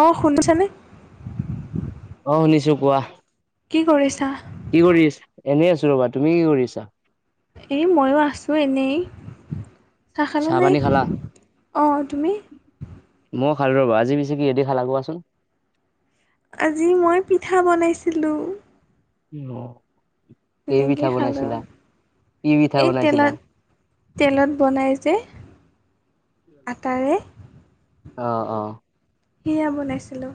অ', শুনিছানে? অ', শুনিছো কোৱা। কি কৰিছা? কি কৰি আছা এনেই আছো ৰ'বা, তুমি কি কৰিছা? এই মইও আছোঁ এনেই। খালা চাহ নে পানী খালা, অ তুমি মই খালো ৰ'বা আজি পিছে কিহেদি খালা কোৱাচোন? আজি মই পিঠা বনাইছিলোঁ। [unintelligible] তেনেকে পিঠা খালোঁ। বনাইছিলা কি পিঠা এই বনাইছিলা তেলত, তেলত বনাই যে আটাৰে। অ', অ'। সেইয়া বনাইছিলো।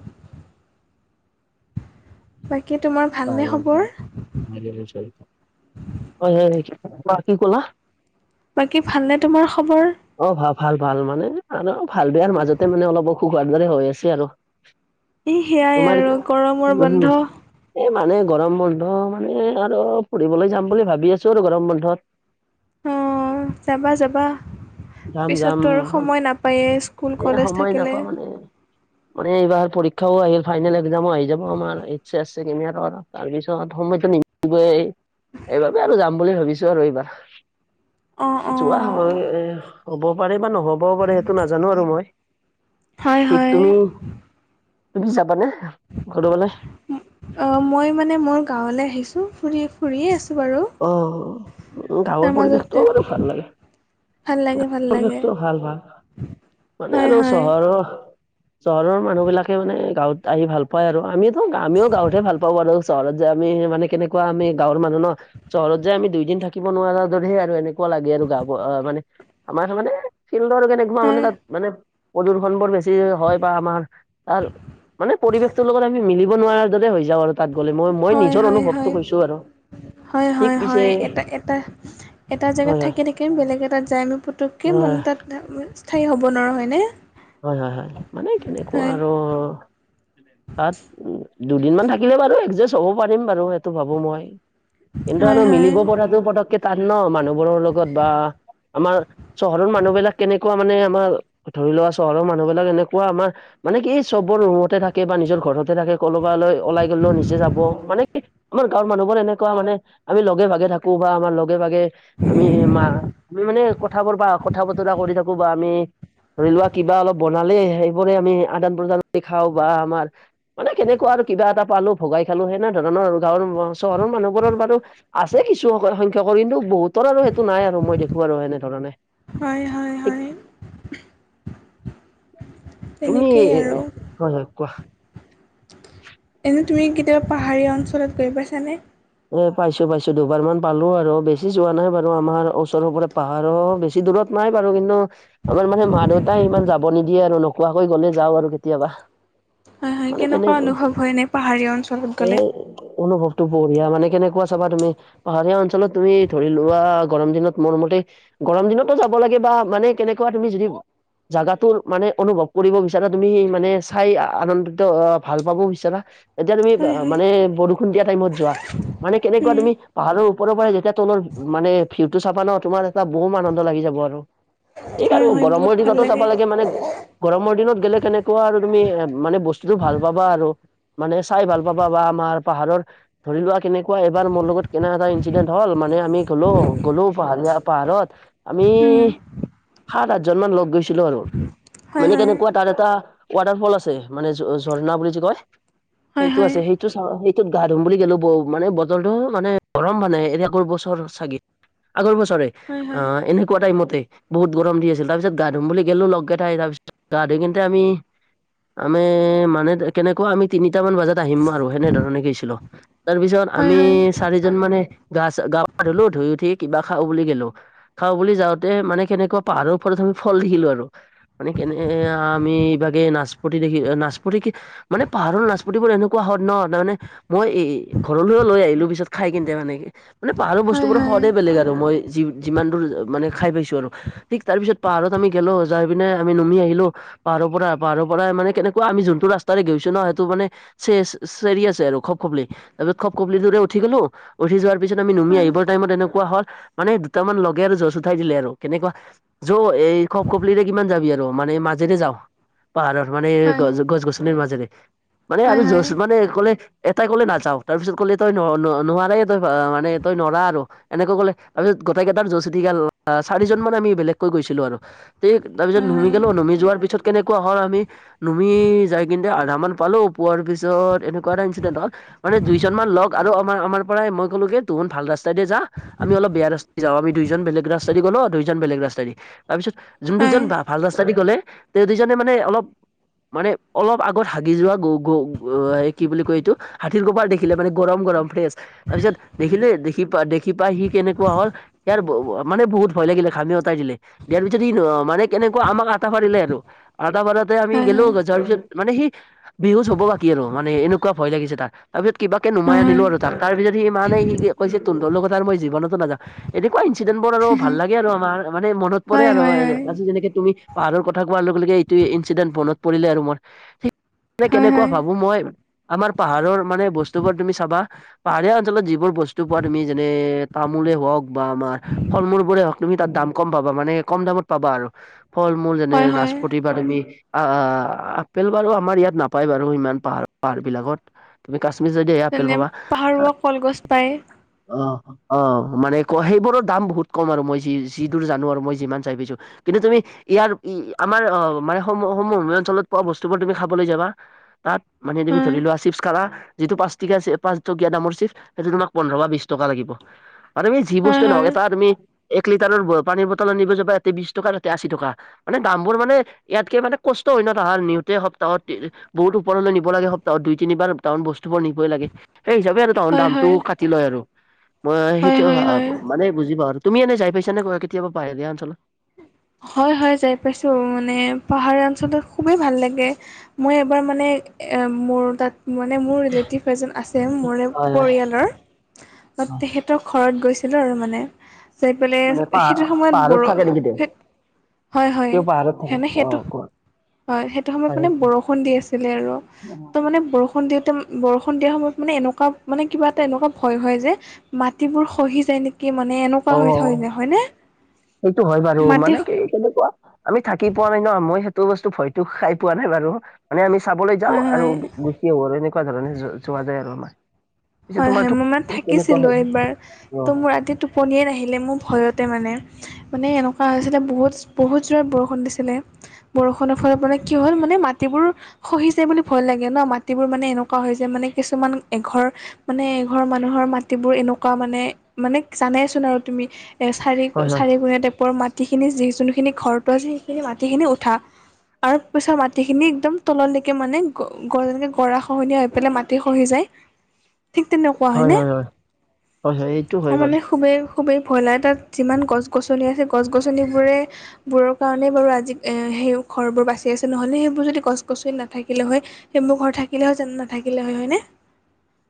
বাকী তোমাৰ? ভালনে খবৰ [unintelligible] কি ক'লা? বাকি ভালনে তোমাৰ খবৰ? অ ভাল, ভাল মানে আৰু ভাল বেয়াৰ মাজতে মানে অলপ অসুখ হোৱাৰ দৰে হৈ আছে আৰু। এই সেয়াই আৰু গৰমৰ তোমাৰ--উম। বন্ধ এই মানে গৰম বন্ধ মানে আৰু ফুৰিবলৈ যাম বুলি ভাবি আছো আৰু গৰম বন্ধত। অ, যাবা, যাবা যাম যাম পিছতটো আৰু সময় নাপায়েই স্কু এ, সময় নাপাও মানে মানে এইবাৰ পৰীক্ষাও আহিল ফাইনেল একজামো আহি যাব আমাৰ এইচ এচ চেকেণ্ড ইয়েৰৰ তাৰপিছত সময়টো নিমিলিবই সেইবাবে আৰু যাম বুলি ভাবিছো আৰু এইবাৰ। অ অ যোৱা হয় এ হ'ব পাৰে বা নহ'বও পাৰে সেইটো নাজা জানো বাৰু মই হয় ঠিক হয় তুমি তুমি যাবানে ক'ৰবালে? অ, মই মানে মোৰ গাঁৱলে আহিছো ফুৰি, ফুৰিয়ে আছো বাৰু। অ, তাৰ গাঁৱৰ মাজতে পৰিৱেশটো বাৰু ভাল লাগে। ভাল লাগে ভাল গাঁৱৰ লাগে পৰিৱেশটো ভাল ভাল মানে হয় আৰু হয় চহৰৰ চহৰৰ মানুহবিলাকে মানে গাঁৱত আহি ভাল পায় আৰু আমিটো আমিও গাঁৱতহে ভালপাওঁ আৰু। চহৰত যাই আমি মানে কেনেকুৱা আমি গাঁৱৰ মানুহ ন চহৰত যাই আমি দুইদিন থাকিব নোৱাৰাৰ দৰেহে আৰু এনেকুৱা লাগে আৰু গা মানে আমাৰ এইটো মানে ফিল্ডৰ কেনেকুৱা মানে হয় তাত মানে প্ৰদূষণবোৰ বেছি হয় বা আমাৰ তাৰ মানে পৰিৱেশটোৰ লগত আমি মিলিব নোৱাৰাৰ দৰে হৈ যাওঁ আৰু তাত গ'লে মই মই হয় নিজৰ হয় হয় অনুভৱটো কৈছো আৰু। হয় ঠিক হয় পিছে হয় এটা এটা এটা জেগাত হয় হয় থাকি থাকি বেলেগ এটাত যায় এনেও পুতুককে মন হয় তাত [unintelligible] স্থায়ী হ'ব নোৱাৰো হয়নে? হয় হয় হয় মানে কেনেকুৱা হয় আৰু তাত উম দুদিন মান থাকিলে বাৰু এডজাষ্ট হ'ব পাৰিম বাৰু সেইটো ভাবো মই কিন্তু হয় আৰু মিলিব হয় পৰাটো পতককে তাত ন মানুহ বোৰৰ লগত বা আমাৰ চহৰৰ মানুহবিলাক কেনেকুৱা মানে আমাৰ ধৰি লোৱা চহৰৰ মানুহবিলাক এনেকুৱা আমাৰ মানে কি এই চববোৰ ৰুমতে থাকে বা নিজৰ ঘৰতে থাকে, ক'ৰবালৈ ওলাই গ'লেও নিজে যাব মানে কি আমাৰ গাঁৱৰ মানুহবোৰ এনেকুৱা মানে আমি লগে-ভাগে থাকো বা আমাৰ লগে-ভাগে আমি আমাৰ আমি মানে কথাবোৰ বা কথা-বতৰা কৰি থাকো বা আমি ধৰি লোৱা কিবা অলপ বনালে সেইবোৰে আমি আদান-প্ৰদান কৰি খাওঁ বা আমাৰ মানে কেনেকুৱা আৰু কিবা এটা পালো ভগাই খালো সেনে ধৰণৰ আৰু গাঁৱৰ চহৰৰ মানুহবোৰৰ বাৰু আছে কিছু সংখ্যকৰ কিন্তু বহুত তৰ আৰু সেইটো নাই আৰু মই দেখো আৰু এনেধৰণে। হয় হয় এই হয় তুমি তেনেকেই আৰু হয় হয় কোৱা। এনে তুমি কেতিয়াবা পাহাৰীয়া অঞ্চলত গৈ পাইছানে? এ পাইছো পাইছো দুবাৰমান পালো আৰু বেছি যোৱা নাই বাৰু আমাৰ ওচৰৰ পৰা পাহাৰো বেছি দূৰত নাই বাৰু কিন্তু আমাৰ মানে মা-দেউতাই ইমান যাব নিদিয়ে আৰু নোকোৱাকৈ গ'লে যাওঁ আৰু কেতিয়াবা। হয় হয় মানে কেনো কেনেকুৱা অনুভৱ হয় এনে পাহাৰীয়া অঞ্চলত গ'লে এই অনুভৱটো বহুত ধুনীয়া মানে কেনেকুৱা চাবা তুমি পাহাৰীয়া অঞ্চলত তুমি ধৰি লোৱা গৰম দিনত মোৰ মতে গৰম দিনতো যাব লাগে বা মানে কেনেকুৱা তুমি যদি জাগাটোৰ মানে অনুভৱ কৰিব বিচাৰা তুমি সেই মানে চাই আনন্দিত ভাল পাব বিচাৰা তেতিয়া তুমি হয় হয় মানে বৰষুণ দিয়া টাইমত যোৱা। মানে কেনেকুৱা উম তুমি পাহাৰৰ ওপৰৰ পৰাই যেতিয়া তলৰ মানে ভিওটো চাবা ন তোমাৰ এটা বম আনন্দ লাগি যাব আৰু, ঠিক হয় আৰু হয় বহুত গৰমৰ ভাল দিনতো যাব লাগে মানে গৰমৰ দিনত গে'লে কেনেকুৱা আৰু তুমি এ মানে বস্তুটো ভাল পাবা আৰু। মানে চাই ভাল পাবা বা আমাৰ পাহাৰৰ ধৰি লোৱা কেনেকুৱা এবাৰ মোৰ লগত কেনে এটা ইনঞ্চিদেণ্ট হল মানে আমি গ'লো গ'লো পাহাৰীয়া পাহাৰত আমি উম। সাত, আঠজন মান লো'গ গৈছিলো আৰু হয় মানে হয় কেনেকুৱা তাৰ এটা ৱাটাৰ ফল আছে মানে ঝৰ্ণা বুলি কয় হয় সেইটো হয় আছে সেইটো চা সেইটোত গা ধুম বুলি গো মানে বদলটোো মানে গৰম মানে এ আগৰ বছৰ চাগে আগৰ বছৰে হয় অ' এনেকুৱাটাই মতে বহুত গৰম দি আছিল তাৰপিছ গা ধুম বুলি গলো লগে লগে তাৰপিছত গা ধুওঁ কিন্ততে আমি আমে মানে কেনেকুৱা আমি তিনিটা মান বজাত আহিম আৰু সেনেধৰণে কিছিলো তাৰ পিছত হয় আমি, হয় চাৰিজন মানে গা গা পা ধুলো ধুই উঠি কিবা খা বুলি গলো খাওঁ বুলি যাওঁতে মানে কেনেকুৱা পাহাৰৰওপৰত আমি ফল দেখিলো আৰু, মানে কেনে আমি এইবাগে নাচপতি দেখি নাচপতি কি মানে পাহাৰৰ নচপতিবোৰ এনেকুৱা হ ন তাৰমানে মই এ ঘৰলৈও লৈ আহিলো পিছত খাই কিন্তে, মানে মানে পাহাৰৰ বস্তু হয় বোৰৰ হয় সদে বেলেগ আৰু মই যিমান দূৰ মানে খাই পাইছো আৰু ঠিক তাৰ পিছত পাহাৰত আমি গলো যাই পিনে আমি নামি আহিলো পাহাৰৰ পৰা পাহাৰৰ পৰাই মানে কেনেকুৱা আমি যোনটো ৰা্তাৰে গৈছো ন সেইটো মানে, চ চেৰি আছে আৰু খব খবলেি তাৰ পিছ খব কপলিূৰে উঠি গলো উঠিৱাৰিছ আমি নুম হয় আহিব টাইমত এনেকুৱা হল। মানে দুটামান লগে আৰু জজ উঠাই দিলে আৰু কেনেকুৱা, য এই খপ খপলিৰে কিমান যাবি আৰু মানে মাজেৰে যাওঁ পাহাৰৰ মানে হয় গছ গছনিৰ মাজেৰে মানে হয় হয় আৰু হয় য মানে ক'লে এটাই ক'লে নাযাওঁ, তাৰপিছত ক'লে তই নোৱাৰাৰে তই মানে তই নৰা আৰু এনেকৈ ক'লে তাৰপিছত গোটেইাৰ জছ চিতিকাল চাৰিজন মান আমি বেলেগকৈ গৈছিলো আৰু তাৰ হয় পিছত হয় নুমি গ'লো নুমি যোৱাৰ পিছত কেনেকুৱা হল আমি নুমি যাই কিন্তু আধামান পালো পোৱাৰ পিছত এনেকুৱা এটা ইনচিডেন্ট হল, মানে দুইজনমান লগ আৰু আমাৰ আমাৰ পৰাই মই ক'লো কে তুহন ভাল ৰাস্তাইতে যা আমি অলপ বেয়া ৰাস্তা যাওঁ আমি দুজন বেলেগ ৰাস্তাদি গ' ন দুইজন বেলেগ ৰাস্তা দি তাৰপিছত যোন দুজন বা হয় ভাল ৰাস্তাইদি গলে তেওঁ দুজনে মানে অলপ মানে অলপ আগত হাগি যোৱা গো গো কি বুলি কয় এইটো হাতীৰ কপাল দেখিলে মানে গৰম গৰম ফ্ৰেছ তাৰ পিছত দেখিলে দেখি পা দেখি পাই সি কেনেকুৱা হল ইয়াৰ মানে বহুত ভয় লাগিলে খামি উতাই দিলে। দিয়াৰ পিছত ই মানে কেনেকুৱা আমাক আটাফাৰিলে আৰু আটা ফাৰাতে আমি হয় হয় হয় হয় গলো যোৱাৰ পিছত মানে সি বিহুত হব বাকী আৰু মানে এনেকুৱা ভয় লাগিছে তাক তাৰপিছত কিবাকে নুমাই আনিলো আৰু তাক তাৰ পিছতিনে সি কৈ তোন তটোৰ কথাাৰ মই জীৱনতো নাযা এনেকুৱা ইনঞ্চিডেণ্ট বোৰ আৰু ভাল লাগে আৰু আমাৰ মানে মনত পৰে আৰু যেনেকে তুমি পাহাৰৰ কোৱাৰ লগে লগে এইটো ইঞ্চিডেণ্ট বনত পৰিলে আৰু মই হয় কেনেকুৱা হয় ভাবো মই আমাৰ পাহাৰৰ মানে বস্তু বোৰ তুমি চাবা পাহাৰীয়া অঞ্চলত যিবোৰ বস্তু পোৱা তুমি যেনে, তামোলে হওক বা আমাৰ ফল মূল বোৰে হওক তুমি তাৰ দাম কম পাবা মানে কম দামত পাবা আৰু ফল মূল যেনে হয় নাচ হয় প্ৰতিবা তুমি আহ আপেল বাৰু আমাৰ ইয়াত নাপায় বাৰু ইমান পাহাৰ পাহাৰ বিলাকত তুমি কাশ্মিৰ যদি আপেল যেনে পাবা পাহাৰৱা কলগছ পায়। অ' অ' মানে সেইবোৰৰ দাম বহুত কম আৰু মই যি যি দোৰ জানো আৰু মই যিমান চাই পাইছো কিন্তু তুমি ইয়াৰ আমাৰ আহ মানে সম সম অঞ্চলত পোৱা বস্তুবোৰ তুমি খাবলৈ যাবা তাত মানে তুমি হয় ধৰি লোৱা চিপছ খা যিটো পাঁচ টকীয়া পাঁচটকীয়া দামৰ চিপছ সেইটো তোমাক ৰবা বিশ টকা লাগিব আৰু তুমি যি হয় বস্তুৱে হয় নহওক এটা তুমি এক লিটাৰৰ পানীৰ বটলত নিব যাবা ইয়াতে বিশ টকা এতে আশী টকা মানে দামবোৰ মানে ইয়াতকে মানে কষ্ট হয় নত নিওঁতে সপ্তাহত, বহুত উপৰলৈ নিবা সপ্তাহ দু তিনিবাৰ তাহান বস্তুবোৰ নিবই লাগে সেই হিচাপে আৰু তাহৰ হয় দামটো হয় কাটি লয় আৰু মই হয় সেইটো হয় হয় মানে বুজি পাওঁ আৰু তুমি এনে যাই পাইছা নে কেতিয়াবা পাহাৰীয়া অঞ্চলত হয়, হয়, যাই পাইছো, মানে পাহাৰীয়া অঞ্চলত খুবেই ভাল লাগে। মই এবাৰ মানে মোৰ তাত মানে মোৰ ৰিলেটিভ এজন আছে মোৰে হয় হয় পৰিয়ালৰ হয় তেখেত ৰ ঘৰত গৈছিলোঁ আৰু মানে, যায় পেলাই মানে পাহাৰ সেইটো সময়ত পাহাৰত বৰ থাকে নেকি তেওঁ? সেই হয় হয়, তেওঁ পাহাৰত থাকে। সেনে অ সেইটো কোৱা। হয়, সেইটো সময়ত মানে বৰষুণ দি আছিলে আৰু ত' মানে বৰষুণ দিওঁতে বৰষুণ দিয়া সময়ত মানে এনেকুৱা মানে কিবা এটা এনেকুৱা ভয় হয় যে মাটিবোৰ সহি যায় নেকি, মানে অ এনেকুৱা হৈ থৈ যায় হয়নে? সেইটো হয় বাৰু, মাটি মানে কি কেনেকুৱা আমি থাকি পোৱা নাই ন' মই সেইটো বস্তু ভয়তো খাই পোৱা নাই বাৰু, মানে আমি চাবলৈ যাওঁ হয় আৰু হয় গুচি আহোঁ আৰু এনেকুৱা ধৰণে য যোৱা যায় আৰু আমৰ। হয়, হয় মই মানে থাকিছিলো হয়? একবাৰ অ ত' মোৰ ৰাতি টোপনিয়ে নাহিলে মোৰ ভয়তে মানে। মানে এনেকুৱা হৈছিলে বহুত বহুত জোৰত বৰষুণ দিছিলে। বৰষুণৰ ফলত মানে কি হ'ল মানে মাটিবোৰ সহি যায় বুলি ভয় লাগে ন' মাটিবোৰ মানে এনেকুৱা হয় যে মানে কিছুমান এঘৰ মানে এঘৰৰ মানুহৰ মাটিবোৰ এনেকুৱা মানে, মানে জানেচোন আৰু তুমি। চাৰি হয় হয় চাৰিকুণীয়া টাইপৰ মাটিখিনি যি যোনখিনি ঘৰটো আছে সেইখিনি মাটিখিনি উঠা। তাৰপিছৰ মাটিখিনি একদম তললৈকে মানে গ যেনেকে গৰা খহনীয়া হৈ পেলাই মাটি খহি যায়। ঠিক তেনেকুৱা হয় হয়নে? হয় হয় হয় হয় এইটো হয় ত' বাৰু মানে খুবেই খুবেই ভয় লাগে। তাত যিমান গছ গছনি আছে গছ গছনিবোৰে বোৰৰ কাৰণেই বাৰু আজি সেই ঘৰবোৰ বাচি আছে নহ'লে সেইবোৰ যদি গছ গছনি নাথাকিলে হয়। সেইবোৰ ঘৰ থাকিলে হয় জানো নাথাকিলে হয় হয় নে?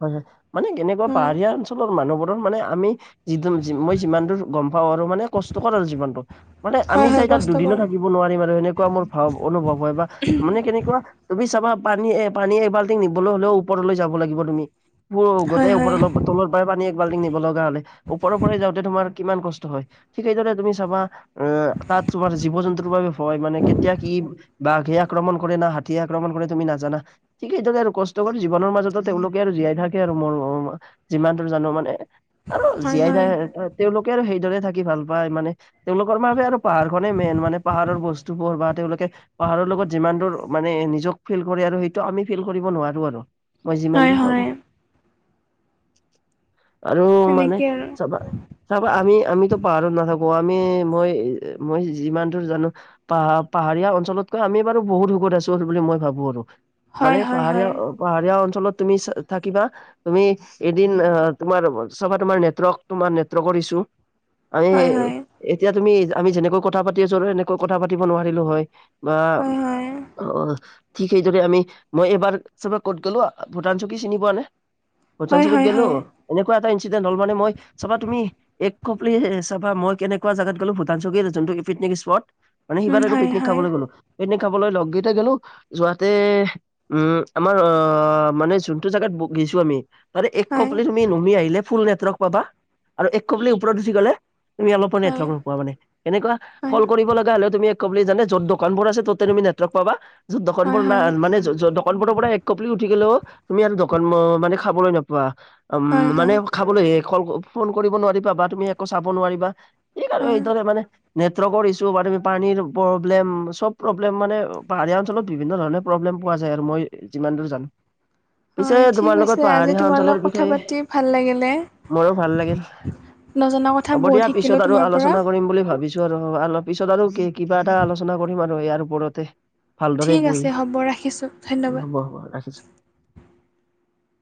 হয়, হয়, মানে কেনেকুৱা পাহাৰীয়া অঞ্চলৰ মানুহবোৰ মানে আমি যি মই যিমান দূৰ গম পাওঁ আৰু মানে কষ্টকৰ আৰু জিৱনটো। মানে আমি হয় হয় যাই তাত দুদিনো কষ্টকৰ থাকিব নোৱাৰিম আৰু সেনেকুৱা মোৰ ভাৱ অনুভৱ হয় বা মানে কেনেকুৱা তুমি চাবা পানী এ পানী এবাল্টিং নিবলৈ হলেও ওপৰলৈ যাব লাগিব তুমি। হয় গোটেই ওপৰ হয় তলৰ পৰাই পানী এক বাল্টি নিব লগা হলে ওপৰৰ পৰাই যাওঁতে তোমাৰ কিমান কষ্ট হয়। ঠিক সেইদৰে তুমি চাবা, আহ তাত তোমাৰ জীৱ জন্তুৰ বাবে ভয় মানে কেতিয়া কি বাঘে আক্ৰমণ কৰে, না হাতীয়ে আক্ৰমণ কৰে তুমি নাজানা ঠিকেই সেইদৰে আৰু কষ্টকৰ জীৱনৰ মাজতো তেওঁলোক আৰু জীয়াই থাকে আৰু মোৰ যিমান দূৰ জানো মানে আৰু হয় জীয়াই হয় থাক তেওঁলোকে আৰু সেইদৰে থাকি ভাল পায় মানে তেওঁলোকৰ বাবে আৰু পাহাৰখনেই মেইন মানে পাহাৰৰ বস্তুবোৰ বা তেওঁলোকে পাহাৰৰ লগত যিমান দূৰ মানে নিজক ফিল কৰে আৰু সেইটো আমি ফিল কৰিব নোৱাৰো আৰু মই যিমান হয় দূৰ- পাৰো হয় আৰু মানে তেনেকে আৰু চাবা চাবা আমি আমিতো পাহাৰত নাথাকো আমি মই মই যিমান দূৰ জানো পাহ পাহাৰীয়া অঞ্চলতকৈ আমি বাৰু বহুত সুখত আছো বুলি মই ভাবো আৰু। মানে হয় হয় পাহাৰীয়া হয় পাহাৰীয়া অঞ্চলত তুমি থাকিবা। তুমি এদিন তোমাৰ চাবা তোমাৰ নেটৱৰ্ক তোমাৰ নেটৱৰ্কৰ ইছো। আমি হয় হয় এতিয়া তুমি আমি যেনেকৈ কথা পাতি আছো আৰু সনেকৈ কথা পাতিব নোৱাৰিলো হয়। বা হয় হয় অ', ঠিক সেইদৰে আমি মই এবাৰ চাবা ক'ত গলো আ ভূটান চুকী চিনি পোৱা নে? ভূটান হয় চুকীত হয় গলো। হয় এনেকুৱা এটা ইনচিদেন্ত হল মানে মই চাবা তুমি এক কপ চাবা মই কেনেুৱা জাগাত গ'লো ভূটান চকীত যোনটো পিকনিক স্পট। মানে সিবাৰ উম আৰু হয় পিকনিক হয় খাবলৈ গ'লো। পিকনিক খাবলৈ লগকেইটা গ'লো যোৱাতে উম, আমাৰ আহ মানে যোনটো জাগাত ব গৈছোঁ আমি তাৰে এক হয় [unintelligible] তুমি নুমি আহিলে ফুল নেটৱৰ্ক পাবা আৰু এক খপ্লি ওপৰত উঠি গ'লে তুমি অলপো হয় নেটৱৰ্ক নোপোৱা মানে এনেকুৱা হয় হয় কল কৰিব লগা হলে তুমি এক খপলি জানে য'ত দোকানবোৰ আছে ত'ত তুমি নেটৱৰ্ক পাবা য'ত দোকান বোৰ হয় হয় নান য'ত দোকানবোৰ পৰা এক খপলি উঠি গ'লেও তুমি আৰু দোকান মানে খাবলৈ নাপোৱা। উম, হয় মানে খাবলৈ ফোন কৰিব নোৱাৰিবা বা তুমি একো চাব নোৱাৰিবা ঠিক আৰু হয় সেইদৰে মানে নেটৱৰ্কৰ ইছু হ'ব পাৰে, তুমি পানীৰ প্ৰব্লেম চব প্ৰব্লেম মানে পাহাৰীয়া অঞ্চলত বিভিন্ন ধৰণে প্ৰব্লেম পোৱা যায় আৰু মই যিমান দূৰ জানো। পিছে হয় ঠিক তোমাৰ আছে লগত আজি পাহাৰীয়া তোমাৰ অঞ্চলৰ লগত কথা বিষয়ে, পাতি ভাল লাগিলে মোৰো ভাল লাগিল। নজনা কথা হ'ব বহুত দিয়া শিকিলোঁ পিছত আৰু তোমাৰ পৰা আলোচনা কৰিম বুলি ভাবিছোঁ। আৰু পিছত আৰু কিবা এটা আলোচনা কৰিম আৰু ইয়াৰ ওপৰতে। ভালদৰে ঠিক বহি, আছে হ'ব ৰাখিছোঁ ধন্যবাদ হ'ব হ'ব ৰাখিছোঁ।